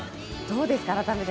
どうですか？